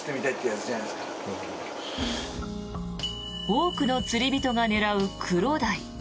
多くの釣り人が狙うクロダイ。